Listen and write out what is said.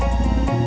kok nggak jawab sih